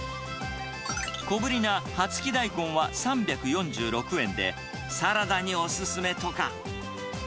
小ぶりな葉付き大根は３４６円で、サラダにお勧めとか。